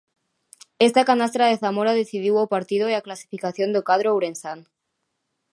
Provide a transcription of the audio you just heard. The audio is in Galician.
Esta canastra de Zamora decidiu o partido e a clasificación do cadro ourensán.